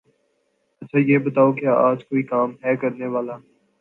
اچھا یہ بتاؤ کے آج کوئی کام ہے کرنے والا؟